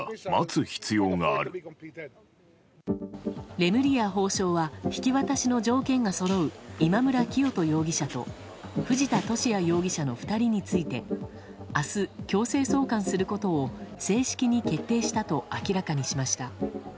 レムリヤ法相は引き渡しの条件がそろう今村磨人容疑者と藤田聖也容疑者の２人について明日、強制送還することを正式に決定したと明らかにしました。